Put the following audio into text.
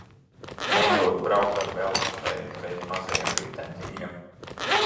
Neprot braukt ar velosipēdu bez mazajiem ritentiņiem?